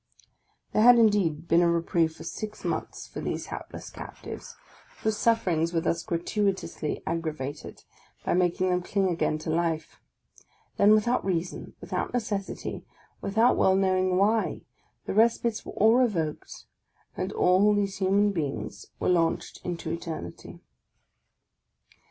There had indeed been a reprieve for six months for these 30 PREFACE OF hapless captives, whose sufferings were thus gratuitously ag gravated, by making them cling again to life: then, without reason, without necessity, without well knowing why, the re spites were all revoked, and all these human beings were launched into eternity.